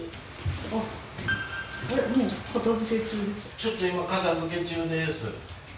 ちょっと今片付け中です。